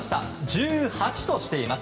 １８としています。